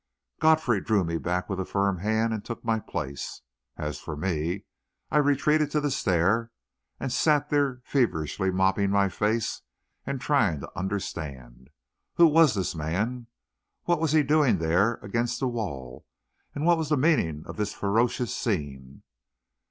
Godfrey drew me back with a firm hand and took my place. As for me, I retreated to the stair, and sat there feverishly mopping my face and trying to understand. Who was this man? What was he doing there against the wall? What was the meaning of this ferocious scene....